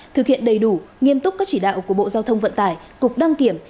thực hiện đầy đủ nghiêm túc các chỉ đạo của bộ giao thông vận tải cục đăng kiểm